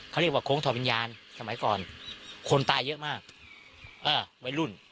เขาเรียกว่าโค้งทอวิญญาณสมัยก่อนคนตายเยอะมากเออวัยรุ่น